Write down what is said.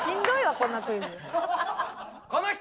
こんなクイズ。